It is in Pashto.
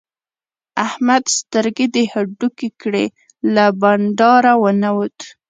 احمد سترګې د هډوکې کړې؛ له بانډاره و نه وت.